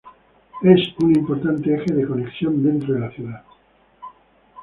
Es una importante eje de conexión dentro de la ciudad.